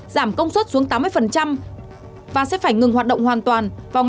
giảm công suất xuống tám mươi và sẽ phải ngừng hoạt động hoàn toàn